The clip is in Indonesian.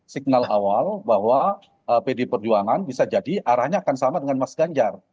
signal awal bahwa pdi perjuangan bisa jadi arahnya akan sama dengan mas ganjar